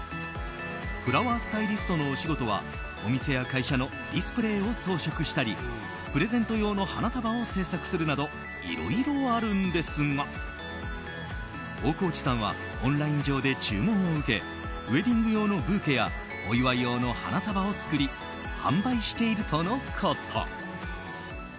フラワースタイリストのお仕事はお店や会社のディスプレーを装飾したりプレゼント用の花束を制作するなどいろいろあるんですが大河内さんはオンライン上で注文を受けウェディング用のブーケやお祝い用の花束を作り販売しているとのこと。